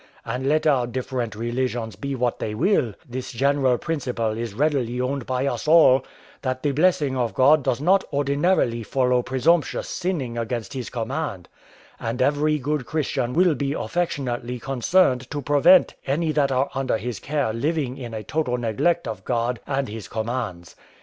And let our different religions be what they will, this general principle is readily owned by us all, that the blessing of God does not ordinarily follow presumptuous sinning against His command; and every good Christian will be affectionately concerned to prevent any that are under his care living in a total neglect of God and His commands.